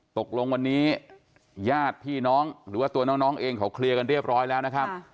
ตกลงวันนี้ญาติพี่น้องหรือว่าตัวน้องเองเขาเคลียร์กันเรียบร้อยแล้วนะครับ